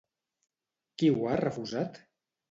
Qui ho ha refusat?